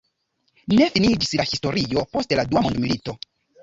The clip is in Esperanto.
Ne finiĝis la historio post la dua mondomilito.